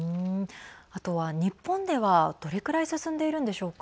あとは日本ではどれくらい進んでいるんでしょうか。